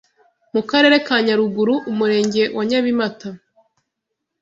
mu Karere ka Nyaruguru Umurenge wa Nyabimata.